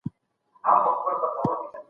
نور خلګ هم زده کړې ته وهڅوئ.